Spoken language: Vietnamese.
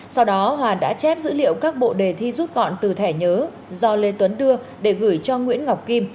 sau đó hòa đã chép dữ liệu các bộ đề thi rút gọn từ thẻ nhớ do lê tuấn đưa để gửi cho nguyễn ngọc kim